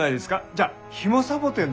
じゃあヒモサボテンで。